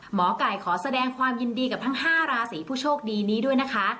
หมอไก่ขอแสดงความยินดีกับทั้ง๕ราศีผู้โชคดีนี้ด้วยนะคะ